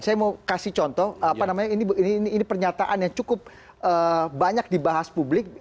saya mau kasih contoh apa namanya ini ini pernyataan yang cukup banyak dibahas publik